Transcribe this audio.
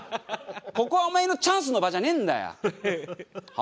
ここはお前のチャンスの場じゃねえんだよ。はあ？